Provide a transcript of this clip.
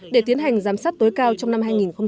để tiến hành giám sát tối cao trong năm hai nghìn hai mươi